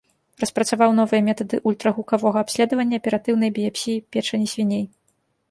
Распрацаваў новыя метады ультрагукавога абследавання аператыўнай біяпсіі печані свіней.